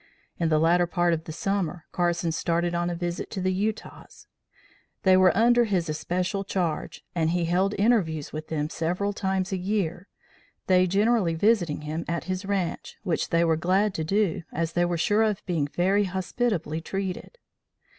In the latter part of the summer Carson started on a visit to the Utahs. They were under his especial charge and he held interviews with them several times a year, they generally visiting him at his ranche, which they were glad to do, as they were sure of being very hospitably treated.